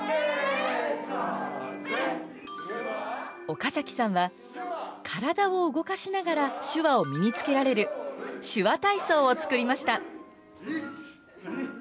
岡崎さんは体を動かしながら手話を身につけられる手話体操をつくりました。